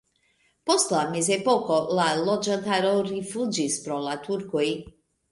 Post la mezepoko la loĝantaro rifuĝis pro la turkoj.